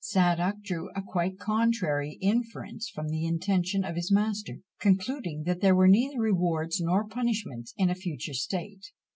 Sadoc drew a quite contrary inference from the intention of his master, concluding that there were neither rewards nor punishments in a future state.